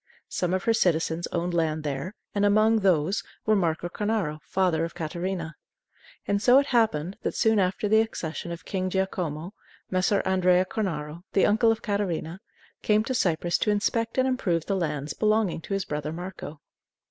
Some of her citizens owned land there, and among these was Marco Cornaro, father of Catarina. And so it happened that, soon after the accession of King Giacomo, Messer Andrea Cornaro, the uncle of Catarina, came to Cyprus to inspect and improve the lands belonging to his brother Marco.